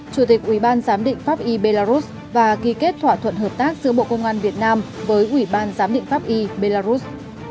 chủ tịch ủy ban giám định pháp y belarus và ghi kết thỏa thuận hợp tác giữa bộ công an việt nam với ủy ban giám định pháp y belarus